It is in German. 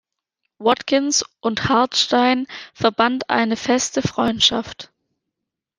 Watkins und Hartstein verband eine feste Freundschaft.